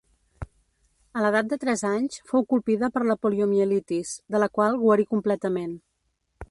A l'edat de tres anys fou colpida per la poliomielitis, de la qual guarí completament.